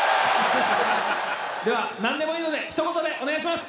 では何でもいいのでひと言でお願いします！